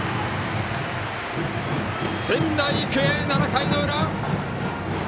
仙台育英、７回の裏。